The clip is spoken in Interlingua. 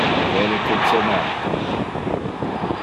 Vole tu cenar con me?